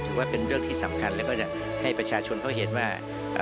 ถือว่าเป็นเรื่องที่สำคัญแล้วก็จะให้ประชาชนเขาเห็นว่า